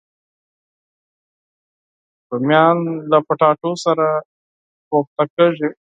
رومیان له کچالو سره کوفته کېږي